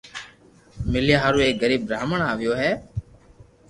مليا ھارو ايڪ غريب براھمڻ آويو ھي